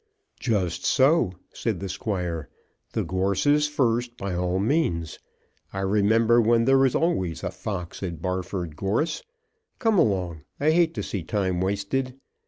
"Just so," said the Squire; "the gorses first by all means. I remember when there was always a fox at Barford Gorse. Come along. I hate to see time wasted.